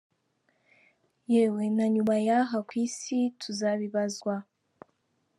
yewe na nyuma y’aha ku isi tuzabibazwa….